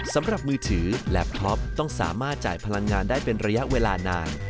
สำหรับมือถือและพล็อปต้องสามารถจ่ายพลังงานได้เป็นระยะเวลานาน